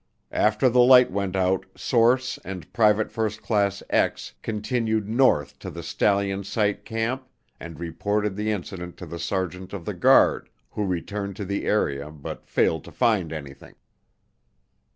After the light went out Source and PFC continued north to the STALLION SITE CAMP and reported the incident to the Sergeant of the Guard who returned to the area but failed to find anything."